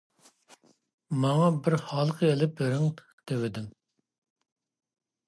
« ماڭا بىر ھالقا ئېلىپ بېرىڭ» دېۋىدىم.